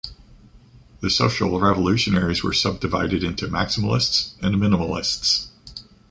The Social Revolutionaries were subdivided into Maximalists and Minimalists.